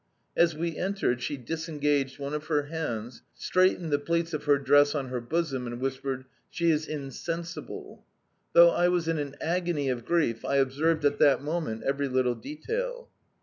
As we entered she disengaged one of her hands, straightened the pleats of her dress on her bosom, and whispered, "She is insensible." Though I was in an agony of grief, I observed at that moment every little detail.